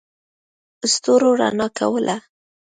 ستورو رڼا کوله.